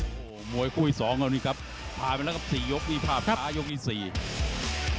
โอ้โหมวยคู่อีก๒แล้วนี่ครับพาไปแล้วกับ๔ยกนี่ภาพตายกอีก๔